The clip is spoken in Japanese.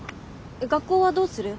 学校はどうする？